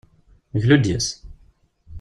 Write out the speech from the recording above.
Glu-d yis-s!